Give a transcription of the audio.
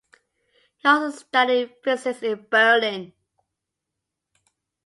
He also studied physics in Berlin.